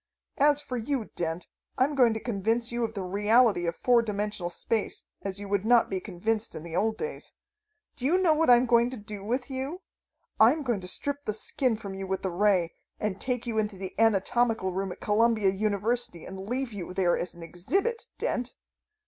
"As for you, Dent. I'm going to convince you of the reality of four dimensional space as you would not be convinced in the old days. Do you know what I'm going to do with you? I'm going to strip the skin from you with the ray, and take you into the anatomical room at Columbia University and leave you there as an exhibit, Dent!"